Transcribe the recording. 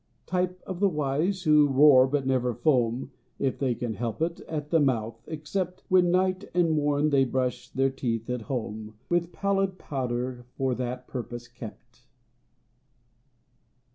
= Type of the wise, who roar but never foam `(If they can help it) at the mouth, except When night and morn they brush their teeth at home `With pallid powder for that purpose kept.